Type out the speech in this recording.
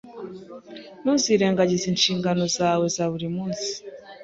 Ntukirengagize inshingano zawe za buri munsi.